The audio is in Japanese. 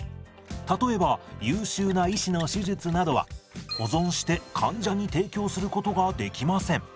例えば優秀な医師の手術などは保存して患者に提供することができません。